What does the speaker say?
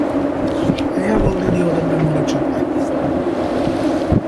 I have already ordered my morning chocolate.